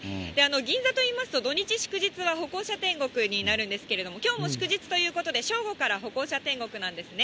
銀座といいますと、土日祝日は歩行者天国になるんですけれども、きょうも祝日ということで、正午から歩行者天国なんですね。